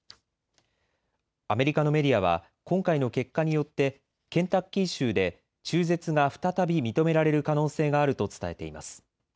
アメリカのメディアは今回の結果によってケンタッキー州で中絶が再び認められる可能性があると伝えています。